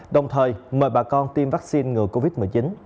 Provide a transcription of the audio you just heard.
đồng thời mời bà con tiêm vaccine ngừa covid một mươi chín